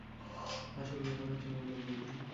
আসল ব্যাপার হচ্ছে মূল্যবৃদ্ধি।